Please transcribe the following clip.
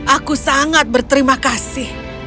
aku sangat berterima kasih